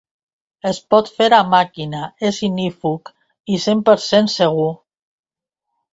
Es pot fer a màquina, és ignífug i cent per cent segur.